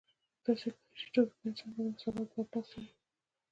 داسې ښکاري چې توکي په انسان باندې برلاسي او مسلط دي